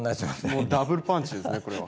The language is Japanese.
もうダブルパンチですねこれは。